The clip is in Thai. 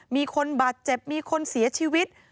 มีคนบาดเจ็บมีคนเสียชีวิต